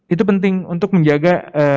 itu penting untuk menjaga